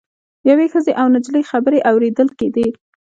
یوې ښځې او نجلۍ خبرې اوریدل کیدې.